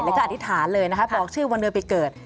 แล้วก็อธิษฐานเลยนะคะบอกชื่อวันเดือนปีเกิด